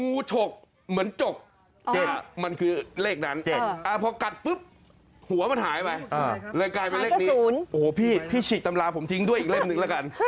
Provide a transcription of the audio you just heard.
ฉกเหมือนจกมันคือเลขนั้นพอกัดปุ๊บหัวมันหายไปเลยกลายเป็นเลขนี้โอ้โหพี่พี่ฉีกตำราผมทิ้งด้วยอีกเล่มหนึ่งแล้วกัน